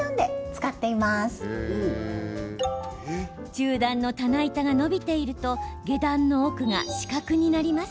中段の棚板が伸びていると下段の奥が死角になります。